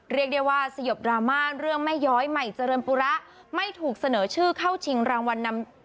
เรียกได้ว่าสยบดราม่าเรื่องแม่ย้อยใหม่เจริญปุระไม่ถูกเสนอชื่อเข้าชิงรางวัลนำ